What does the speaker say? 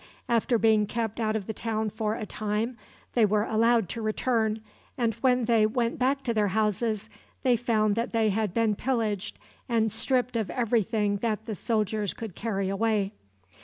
After being kept out of the town for a time they were allowed to return, and when they went back to their houses they found that they had been pillaged and stripped of every thing that the soldiers could carry away.